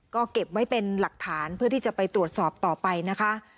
ก็เก็บไว้เป็นหลักฐานเพื่อที่จะไปตรวจสอบต่อไปนะคะ